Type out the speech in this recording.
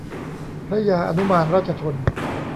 พระยาอนุมานราชธน